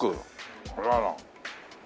あらら。